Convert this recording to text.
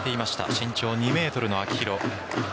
身長２ｍの秋広。